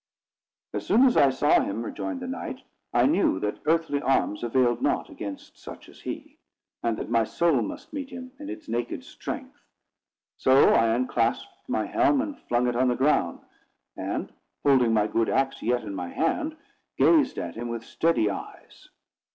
"As soon as I saw him," rejoined the knight, "I knew that earthly arms availed not against such as he; and that my soul must meet him in its naked strength. So I unclasped my helm, and flung it on the ground; and, holding my good axe yet in my hand, gazed at him with steady eyes.